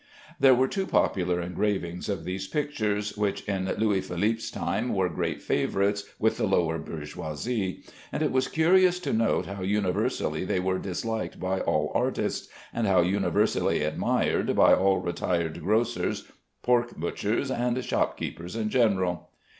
There were two popular engravings of these pictures, which in Louis Philippe's time were great favorites with the lower bourgeoisie; and it was curious to note how universally they were disliked by all artists, and how universally admired by all retired grocers, pork butchers, and shopkeepers in general.